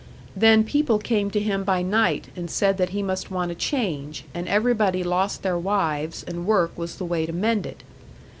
Then people came to him by night, and said that he must want a change, and everybody lost their wives, and work was the way to mend it.